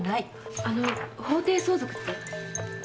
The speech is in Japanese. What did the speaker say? あの法定相続って？